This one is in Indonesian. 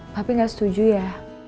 papi nggak setuju ya